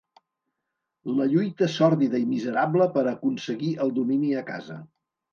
La lluita sòrdida i miserable per aconseguir el domini a casa.